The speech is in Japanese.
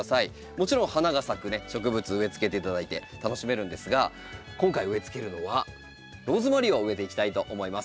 もちろん花が咲く植物植え付けていただいて楽しめるんですが今回植え付けるのはローズマリーを植えていきたいと思います。